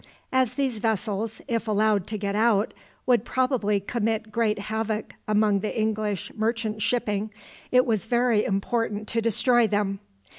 As these vessels, if allowed to get out, would probably commit great havoc among the English merchant shipping, it was very important to destroy them.